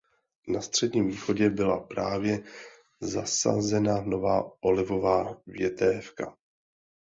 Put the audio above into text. Na Středním východě byla právě zasazena nová olivová větévka.